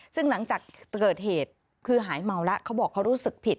ซึ่งหลังจากเกิดเหตุคือหายเมาแล้วเขาบอกเขารู้สึกผิด